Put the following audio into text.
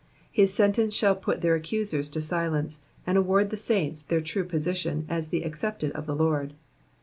His sentence shall put their accusers to silence, and award the saints their true position as the accepted of" the Lord.